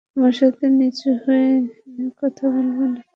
আমার সাথে নিচু হয়ে কথা বলবে না।